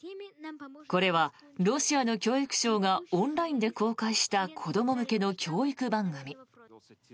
これはロシアの教育省がオンラインで公開した子ども向けの教育番組。